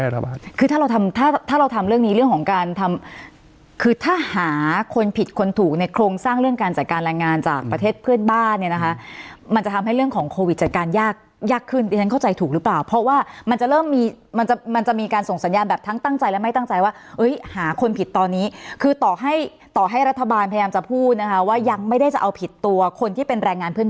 เรื่องการจัดการแรงงานจากประเทศเพื่อนบ้านเนี่ยนะคะมันจะทำให้เรื่องของโควิดจัดการยากยากขึ้นในฉันเข้าใจถูกหรือเปล่าเพราะว่ามันจะเริ่มมีมันจะมันจะมีการส่งสัญญาณแบบทั้งตั้งใจและไม่ตั้งใจว่าเอ้ยหาคนผิดตอนนี้คือต่อให้ต่อให้รัฐบาลพยายามจะพูดนะคะว่ายังไม่ได้จะเอาผิดตัวคนที่เป็นแรงงานเพื่